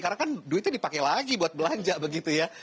karena kan duitnya dipakai lagi buat belanja begitu ya